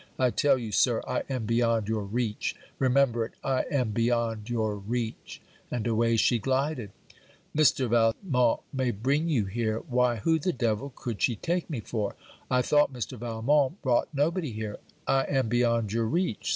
I tell you, Sir, I am beyond your reach. Remember it, I am beyond your reach.' And away she glided. 'Mr. Valmont may bring you here.' Why, who the devil could she take me for? I thought Mr. Valmont brought nobody here! '_I am beyond your reach.